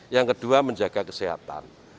yang kedua menjaga kesehatan